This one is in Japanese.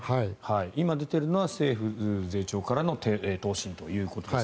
今、出ているのは政府税調からの答申ということです。